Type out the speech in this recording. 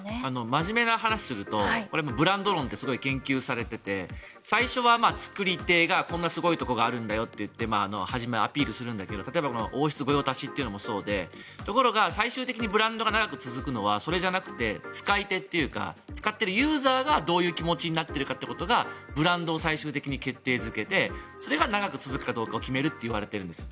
真面目な話をするとブランド論ってすごい研究されていて最初は作り手がこんなすごいところがあるんだよと言って初め、アピールするんだけど王室御用達っていうのもそうでところが、最終的にブランドが長く続くのはそれじゃなくて使い手というか使っているユーザーがどういう気持ちになっているかということがブランドを最終的に決定付けてそれが長く続くかどうかを決めるっていわれてるんです。